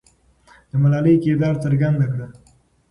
د ملالۍ کردار څرګند کړه.